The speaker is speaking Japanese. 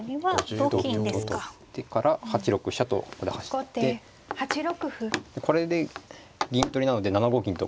同金と取ってから８六飛車とここで走ってこれで銀取りなので７五銀と今度出ると。